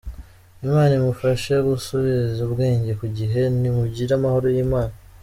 Imana imufashe gusubiza ubwenge ku gihe! Ni mugire amahoro y’Imana.